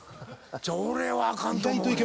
俺はあかんと思うねん。